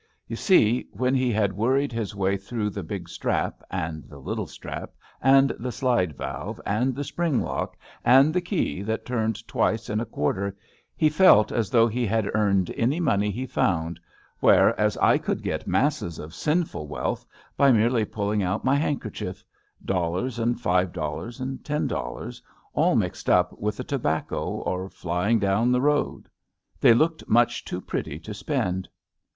You see, when he had worried €4 ABAFT THE FUNNEL his way through the big strap, and the little strap, and the slide valve, and the spring lock, and the tey that turned twice and a quarter, he felt as though he had earned any money he found, where as I could get masses of sinful wealth by merely pulling out my handkerchief — dollars and five dol lars and ten dollars, all mixed up with the to bacco or flying down the road. They looked much too pretty to spend.